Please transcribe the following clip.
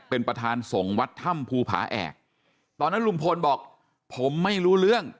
เป็นประธานสงฆ์วัดถ้ำภูผาแอกตอนนั้นลุงพลบอกผมไม่รู้เรื่อง